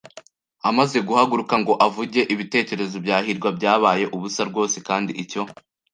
Amaze guhaguruka ngo avuge, ibitekerezo bya hirwa byabaye ubusa rwose kandi icyo